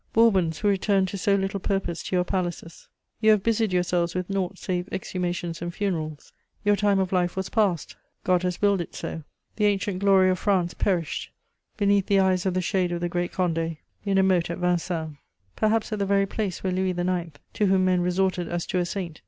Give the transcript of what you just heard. Bourbons, who returned to so little purpose to your palaces, you have busied yourselves with naught save exhumations and funerals: your time of life was passed. God has willed it so! The ancient glory of France perished beneath the eyes of the shade of the Great Condé, in a moat at Vincennes: perhaps at the very place where Louis IX., "to whom men resorted as to a saint....